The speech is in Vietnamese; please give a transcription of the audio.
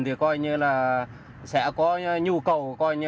thì sẽ có nhu cầu tạo ra các cơ quan để đón con